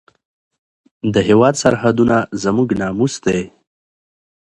د هېواد سرحدونه زموږ ناموس دی.